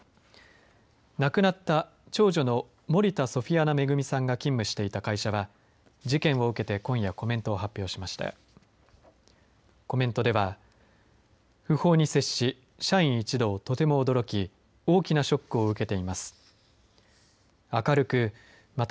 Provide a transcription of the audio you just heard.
亡くなった長女の森田ソフィアナ恵さんが勤務していた会社は事件を受けて今夜コメントを発表しました。